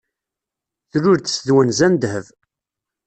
Tlul-d s twenza n ddheb.